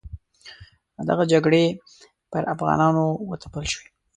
دغه جګړې پر افغانانو وتپل شوې.